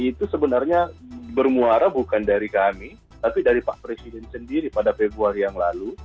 itu sebenarnya bermuara bukan dari kami tapi dari pak presiden sendiri pada februari yang lalu